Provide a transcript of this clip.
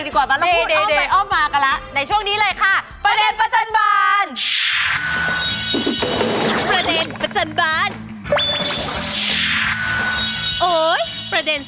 อย่าเดี๋ยวใกล้ตื่น